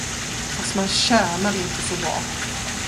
Fast man tjänar inte så bra.